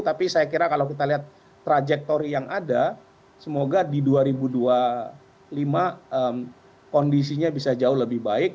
tapi saya kira kalau kita lihat trajektori yang ada semoga di dua ribu dua puluh lima kondisinya bisa jauh lebih baik